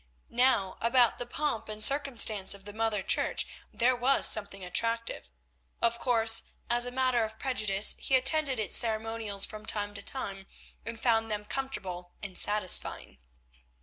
Now about the pomp and circumstance of the Mother Church there was something attractive. Of course, as a matter of prejudice he attended its ceremonials from time to time and found them comfortable and satisfying.